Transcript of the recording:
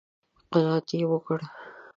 _قناعت يې وکړ؟